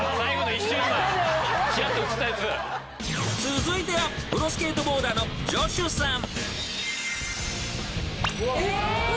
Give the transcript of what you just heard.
［続いてはプロスケートボーダーのジョシュさん］